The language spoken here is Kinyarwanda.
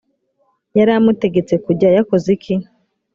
yari amutegetse kujya yakoze iki